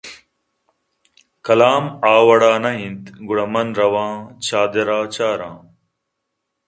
کلام آوڑ ءَ نہ اِنت گڑا من رواں چادر ءَ چاراں